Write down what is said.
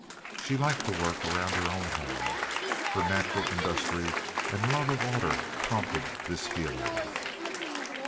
She liked to work around her own home. Her natural industry and love of order prompted this feeling.